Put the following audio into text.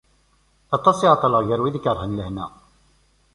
Aṭas i ɛeṭṭleɣ gar wid ikerhen lehna.